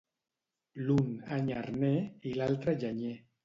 L'un any arner i l'altre llenyer.